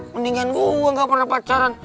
mendingan gue gak pernah pacaran